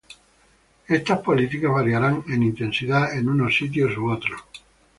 Estas políticas variarán en intensidad en unos sitios u otros.